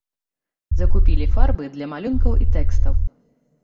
Закупілі фарбы для малюнкаў і тэкстаў.